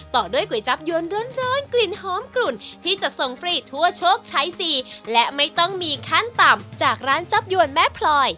ต่อด้วยก๋วยจับยวนร้อนกลิ่นหอมกลุ่นที่จะส่งฟรีทั่วโชคใช้สี่และไม่ต้องมีขั้นต่ำจากร้านจับยวนแม่พลอย